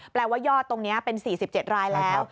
ว่ายอดตรงนี้เป็น๔๗รายแล้ว